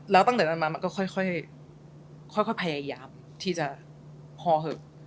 แล้วตั้งแต่นั้นมามันก็ค่อยพยายามที่จะพอเหอะ